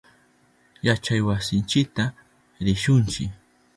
Yachaywasinchita rishunchi.